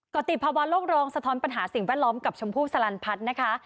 ก็ติดภาวะโลกรองสะท้อนปัญหาสิ่งแวดล้อมกับชมพู่สลันพัฒน์นะคะ